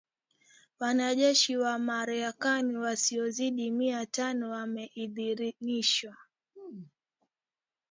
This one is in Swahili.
Wanajeshi wa Marekani wasiozidi mia tano wameidhinishwa